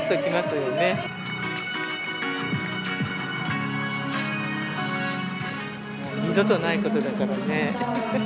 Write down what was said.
もう二度とないことだからね。